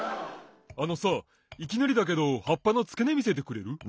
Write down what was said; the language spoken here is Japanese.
あのさいきなりだけどはっぱのつけねみせてくれる？